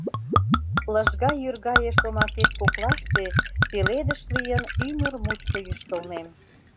Лыжга йӱр гае шомакет коклаште, пеледыш лийын, ӱмыр мучко йӱштылнем.